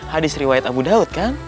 hadis riwayat abu daud kan